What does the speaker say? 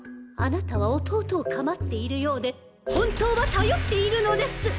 あなたは弟を構っているようで本当は頼っているのです！